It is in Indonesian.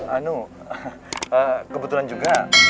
anu kebetulan juga